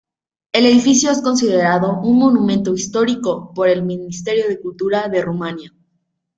El edificio es considerado un monumento histórico por el Ministerio de Cultura de Rumania.